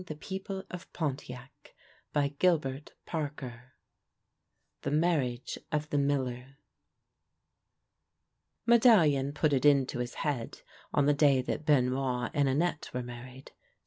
THE MARRIAGE OF THE MILLER THE MARRIAGE OF THE MILLER MEDALLION put it into his head on the day that Benoit and Annette were married.